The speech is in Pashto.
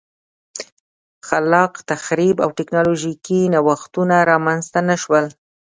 خلاق تخریب او ټکنالوژیکي نوښتونه رامنځته نه شول